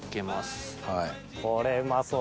わこれうまそう！